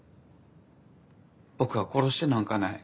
僕は殺してなんかない。